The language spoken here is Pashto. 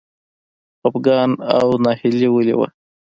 خپګان او ناهیلي ولې وه.